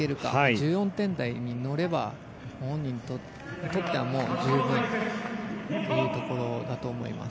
１４点台に乗れば本人にとっては十分というところだと思います。